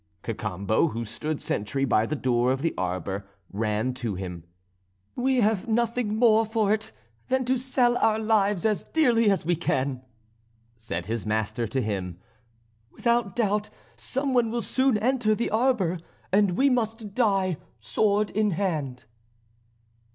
Cacambo, who stood sentry by the door of the arbour, ran to him. "We have nothing more for it than to sell our lives as dearly as we can," said his master to him, "without doubt some one will soon enter the arbour, and we must die sword in hand."